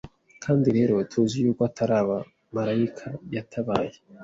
“Kandi rero, tuzi y’uko atari abamarayika yatabaye,